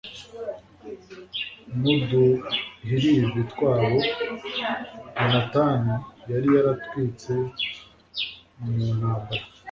n'uduhirivi tw'abo yonatani yari yaratwitse mu ntambara